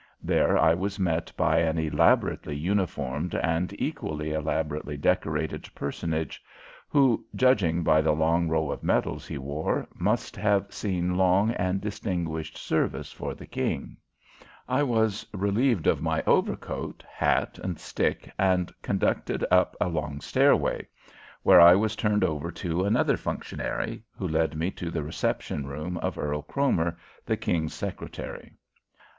There I was met by an elaborately uniformed and equally elaborately decorated personage, who, judging by the long row of medals he wore, must have seen long and distinguished service for the King. I was relieved of my overcoat, hat, and stick and conducted up a long stairway, where I was turned over to another functionary, who led me to the reception room of Earl Cromer, the King's secretary.